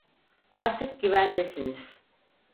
Artık güvendesiniz.